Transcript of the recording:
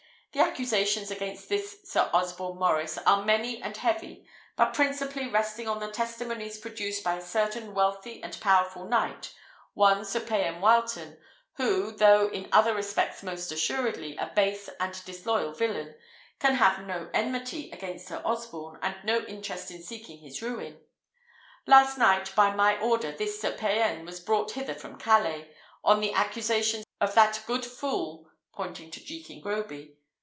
The accusations against this Sir Osborne Maurice are many and heavy, but principally resting on the testimonies produced by a certain wealthy and powerful knight, one Sir Payan Wileton, who, though in other respects most assuredly a base and disloyal villain, can have no enmity against Sir Osborne, and no interest in seeking his ruin. Last night, by my order, this Sir Payan was brought hither from Calais, on the accusations of that good fool (pointing to Jekin Groby).